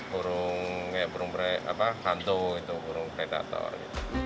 burung hantu burung predator